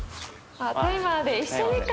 あっタイマーで。